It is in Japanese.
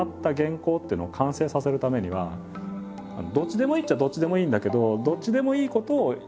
どっちでもいいっちゃどっちでもいいんだけどここはこうだっていうのを。